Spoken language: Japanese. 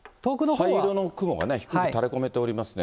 灰色の雲がね、低く垂れこめておりますね。